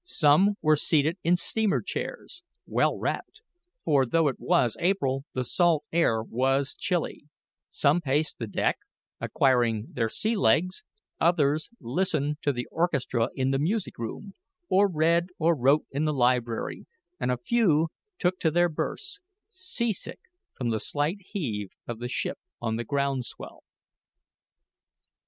Some were seated in steamer chairs, well wrapped for, though it was April, the salt air was chilly some paced the deck, acquiring their sea legs; others listened to the orchestra in the music room, or read or wrote in the library, and a few took to their berths seasick from the slight heave of the ship on the ground swell.